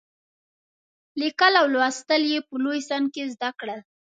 لیکل او لوستل یې په لوی سن کې زده کړل.